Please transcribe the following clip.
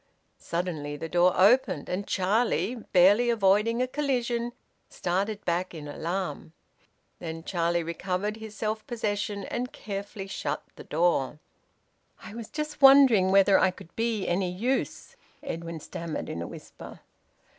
Suddenly the door opened, and Charlie, barely avoiding a collision, started back in alarm. Then Charlie recovered his self possession and carefully shut the door. "I was just wondering whether I could be any use," Edwin stammered in a whisper.